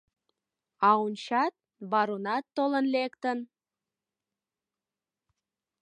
А ончат, баронат толын лектын!